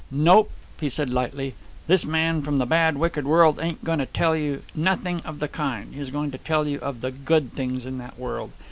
"Nope," he said lightly, "this man from the bad, wicked world ain't going to tell you nothing of the kind. He's going to tell you of the good things in that world.